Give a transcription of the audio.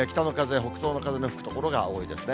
北の風、北東の風が吹く所が多いですね。